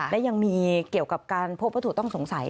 และยังมีเกี่ยวกับการพบวัตถุต้องสงสัย